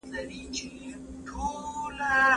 هغه له ټولني سره خدمت نه دی پرې ايښی.